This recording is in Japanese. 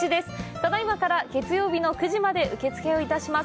ただいまから月曜日の９時まで受付をいたします。